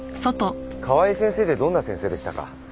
川井先生ってどんな先生でしたか？